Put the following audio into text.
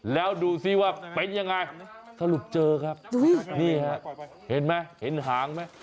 แล้วดูสิว่าเป็นยังไงสรุปเจอครับนี่ฮะเห็นไหมเห็นหางไหม